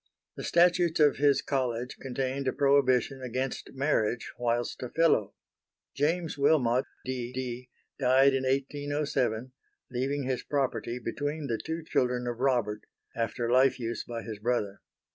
The Statutes of his College contained a prohibition against marriage whilst a Fellow. James Wilmot D. D. died in 1807 leaving his property between the two children of Robert, after life use by his brother.